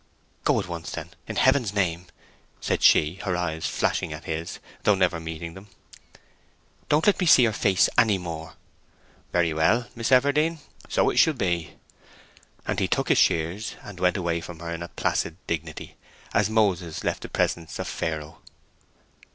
"Go at once then, in Heaven's name!" said she, her eyes flashing at his, though never meeting them. "Don't let me see your face any more." "Very well, Miss Everdene—so it shall be." And he took his shears and went away from her in placid dignity, as Moses left the presence of Pharaoh.